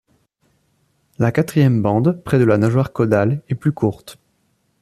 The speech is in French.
La quatrième bande, près de la nageoire caudale est plus courte.